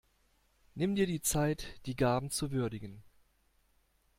Nimm dir die Zeit, die Gaben zu würdigen.